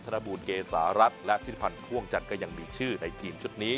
นบูลเกษารัฐและธิริพันธ์พ่วงจันทร์ก็ยังมีชื่อในทีมชุดนี้